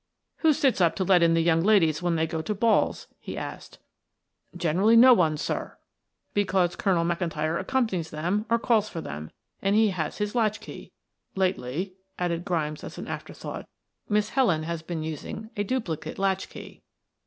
"Who sits up to let in the young ladies when they go to balls?" he asked. "Generally no one, sir, because Colonel McIntyre accompanies them or calls for them, and he has his latch key. Lately," added Grimes as an after thought, "Miss Helen has been using a duplicate latch key."